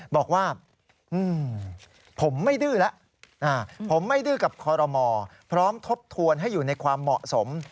บอกว่าผมไม่ดื้อแล้วผมไม่ดื้อกับคอรมอพร้อมทบทวนให้อยู่ในความเหมาะสม